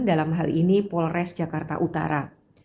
dalam hal ini polres jakarta utara